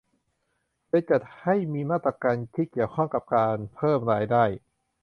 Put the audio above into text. โดยจัดให้มีมาตรการที่เกี่ยวข้องกับการเพิ่มรายได้